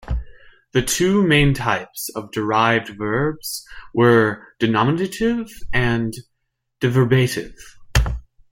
The two main types of derived verbs were denominative and deverbative.